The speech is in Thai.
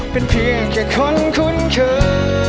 เป็นเพียงแค่คนคุ้นเคย